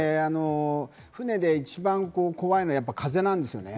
船で一番怖いのは風なんですね。